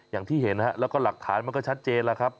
อย่างที่เห็นแล้วก็หลักฐานมันก็ชัดเจนแล้วครับ